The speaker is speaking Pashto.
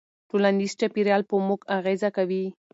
ټولنیز چاپېریال په موږ اغېزه کوي.